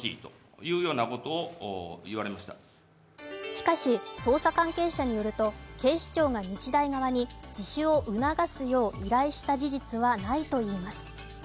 しかし捜査関係者によると警視庁が日大側に自首を促すよう依頼した事実はないといいます。